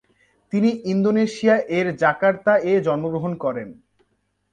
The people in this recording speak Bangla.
তিনি ইন্দোনেশিয়া এর জাকার্তা এ জন্মগ্রহণ করেন।